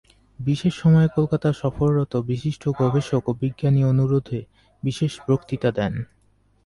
বিশেষ সময়ে কলকাতা সফররত বিশিষ্ট গবেষক ও বিজ্ঞানী অনুরোধে বিশেষ বক্তৃতা দেন।